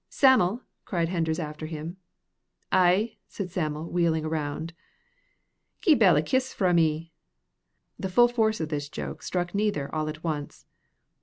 "Sam'l!" cried Henders after him. "Ay," said Sam'l, wheeling round. "Gie Bell a kiss frae me." The full force of this joke struck neither all at once.